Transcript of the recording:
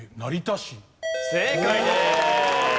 正解です。